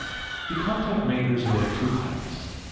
The contact makers are of two kinds.